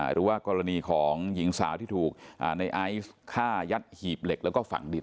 หรือว่ากรณีของหญิงสาวที่ถูกในไอซ์ฆ่ายัดหีบเหล็กแล้วก็ฝังดิน